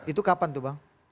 itu kapan tuh bang